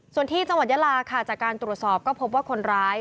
ส่วนที่จังหวัดยาลาค่ะจากการตรวจสอบก็พบว่าคนร้าย